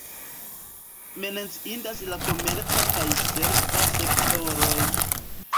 Menciindas la komerca kaj serva sektoroj.